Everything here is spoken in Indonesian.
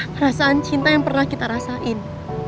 perasaan cinta yang pernah kita rasain